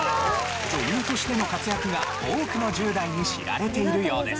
女優としての活躍が多くの１０代に知られているようです。